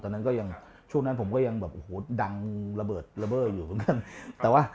ตอนนั้นก็ยังช่วงนั้นผมก็ยังดังระเบิดระเบอร์อยู่เหมือนกัน